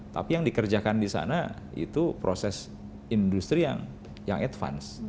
tapi yang dikerjakan di sana itu proses industri yang advance